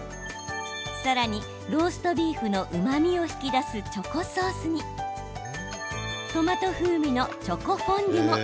さらに、ローストビーフのうまみを引き出すチョコソースにトマト風味のチョコフォンデュも。